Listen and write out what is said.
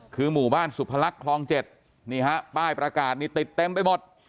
คือหมู่บ้านสุพลักษณ์คลอง๗ป้ายประกาศนี้ติดเต็มไปหมด